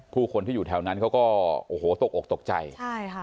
ผู้คนที่อยู่แถวนั้นเขาก็โอ้โหตกอกตกใจใช่ค่ะ